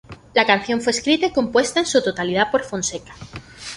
La canción fue escrita y compuesta en su totalidad por Fonseca.